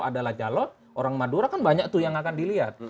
adalah calon orang madura kan banyak tuh yang akan dilihat